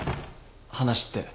話って。